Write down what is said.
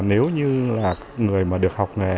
nếu như là người mà được học nghề